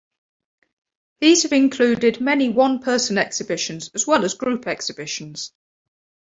These have included many one person exhibitions as well as group exhibitions.